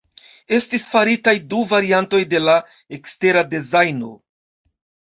Estis faritaj du variantoj de la ekstera dezajno.